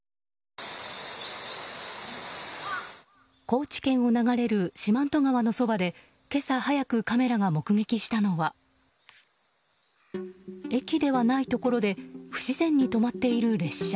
高知県を流れる四万十川のそばで今朝早く、カメラが目撃したのは駅ではないところで不自然に止まっている列車。